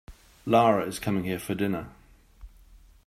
Lara is coming here for dinner.